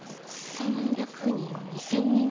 ３００人を２０００人に？